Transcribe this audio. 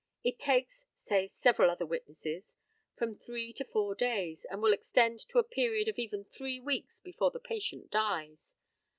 It takes say several other witnesses from three to four days; and will extend to a period of even three weeks before the patient dies.